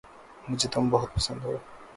مجھے تم بہت پسند ہو